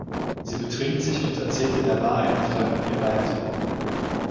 Sie betrinkt sich und erzählt in der Bar einem Fremden ihr Leid.